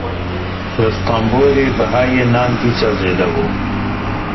Li Stenbolê bihayê nan dîsa zêde bû.